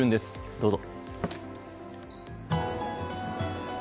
どうぞ。